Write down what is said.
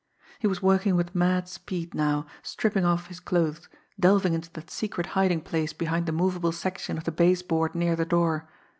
He was working with mad speed now, stripping off his clothes, delving into that secret hiding place behind the movable section of the base board near the door.